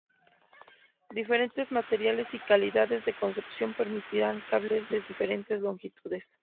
Diferentes materiales y calidades de construcción permitirán cables de diferentes longitudes.